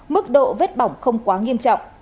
mức độ vết bỏng không quá nghiêm trọng